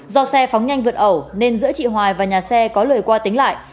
do xe phóng nhanh vượt ẩu nên giữa chị hoài và nhà xe có lời qua tính lại